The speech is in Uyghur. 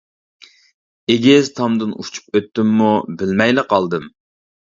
ئېگىز تامدىن ئۇچۇپ ئۆتتۈممۇ بىلمەيلا قالدىم.